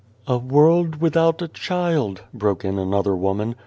" A world without a child!" broke in another woman.